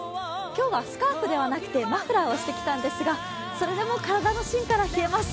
今日はスカーフではなくてマフラーをしてきたんですがそれでも体の芯から冷えます。